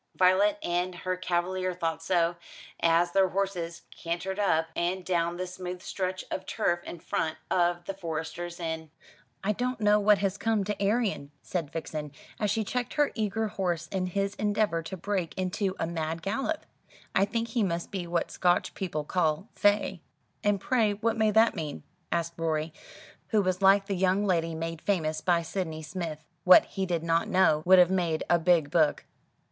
Violet and her cavalier thought so, as their horses cantered up and down the smooth stretch of turf in front of The Forester's Inn. "I don't know what has come to Arion," said Vixen, as she checked her eager horse in his endeavour to break into a mad gallop. "I think he must be what Scotch people call 'fey.'" "And pray what may that mean?" asked Rorie, who was like the young lady made famous by Sydney Smith: what he did not know would have made a big book.